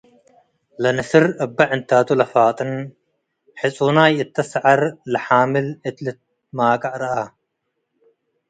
ለንስር እበ ዕንታቱ ለፋጥን ሕጹናይ እተ ሰዐር ለሓምል እት ልትማቀእ ረአ።